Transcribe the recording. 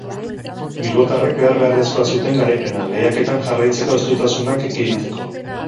Bilbotarrek behar-beharrezkoa zuten garaipena, lehiaketan jarraitzeko estutasunak ekiditeko.